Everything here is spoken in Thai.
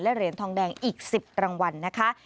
เหรียญทองแดงอีก๑๐รางวัลนะคะ